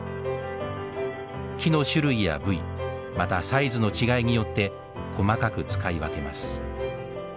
木の種類や部位またサイズの違いによって細かく使い分けます。